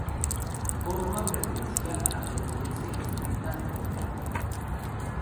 Córdoba pertenecía a la "provincia jesuítica" del Paraguay.